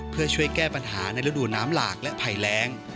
เพื่อช่วยแก้ปัญหาในฤดูน้ำหลากและภัยแรง